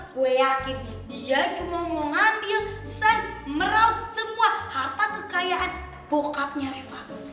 gue yakin dia cuma mau ngambil sen merauh semua harta kekayaan bokapnya reva